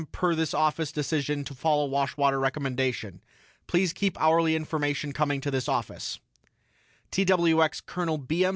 PER THIS OFFICE DECISION TO FOLLOW WASHWATER RECOMMENDATION PLEASE KEEP HOURLY INFORMATION COMING TO THIS OFFICE TWX COL. B. M.